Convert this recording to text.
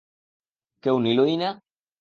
কেউ নিলোই না।